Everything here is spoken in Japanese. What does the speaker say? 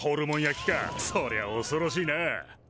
そりゃあおそろしいな。